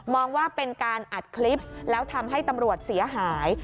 ว่าเป็นการอัดคลิปแล้วทำให้ตำรวจเสียหาย